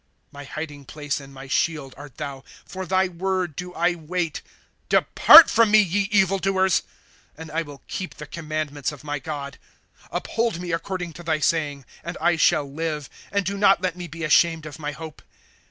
* My hiding place and my shield art thou ; Tor thy vi^ord do I wait. ^ Depart from me, ye evil doers ; And I will keep the commandments of my G od. ^ Uphold me according to thy saying, and I shall live ; And do not let me be ashamed of my hope.